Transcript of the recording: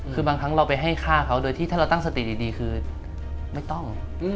คือบางครั้งเราไปให้ฆ่าเขาโดยที่ถ้าเราตั้งสติดีคือไม่ต้อง